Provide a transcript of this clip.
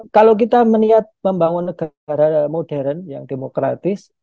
kalau kita meniat membangun negara modern yang demokratis